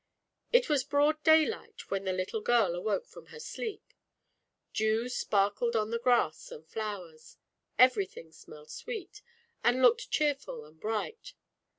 It was broad day light when the little girl awoke from her sleep. Dew sparkled on the grass and flowers, everything smelled sweet, and looked cheerful and bright.